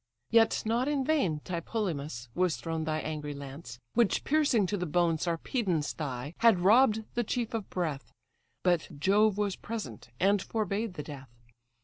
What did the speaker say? Yet not in vain, Tlepolemus, was thrown Thy angry lance; which piercing to the bone Sarpedon's thigh, had robb'd the chief of breath; But Jove was present, and forbade the death.